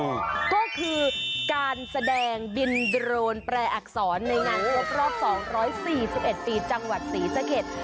ก็คือการแสดงบินโดรนแปรอักษรในหนังโลกรอบ๒๔๑ปีจังหวัดศรีสะเก็ด